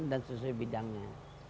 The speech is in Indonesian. dan sesuai bidangnya